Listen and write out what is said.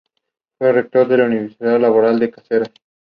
La inscripción es ilegible en la actualidad.